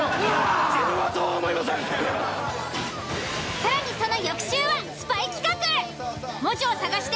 更にその翌週はスパイ企画。